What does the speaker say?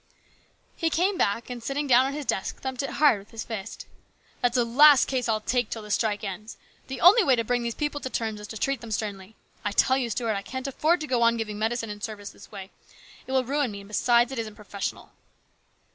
He came back, and sitting down at his desk thumped it hard with his fist. " That's the last case I'll take till the strike ends ! The only way to bring these people to terms is to treat them sternly. I tell you, Stuart, I can't afford to go on giving medicine and service this way. It will ruin me, and besides, it isn't professional."